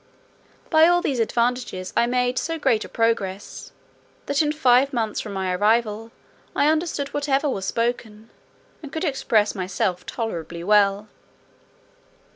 By all these advantages I made so great a progress, that, in five months from my arrival I understood whatever was spoken, and could express myself tolerably well.